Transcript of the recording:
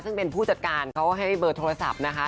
ซึ่งเป็นผู้จัดการเขาให้เบอร์โทรศัพท์นะคะ